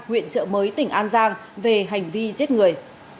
huyện trợ mới tỉnh an giang về hành vi giết người